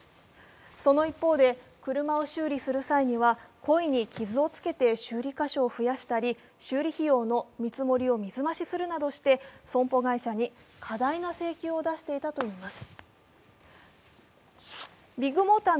その一方で車を修理する際は故意に傷をつけて修理箇所を増やしたり、修理費用の見積もりを水増しするなどして損保会社に過大な請求を出していたといいます。